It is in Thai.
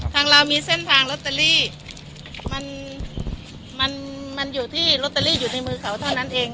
ทางเรามีเส้นทางลอตเตอรี่มันมันอยู่ที่ลอตเตอรี่อยู่ในมือเขาเท่านั้นเอง